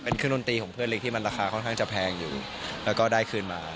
เป็นเครื่องดนตรีของเพื่อนเล็กที่มันราคาค่อนข้างจะแพงอยู่แล้วก็ได้คืนมา